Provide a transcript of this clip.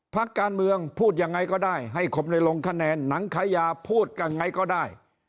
พักการเมืองพูดยังไงก็ได้ให้คนได้ลงคะแนนหนังขยาพูดกันไงก็ได้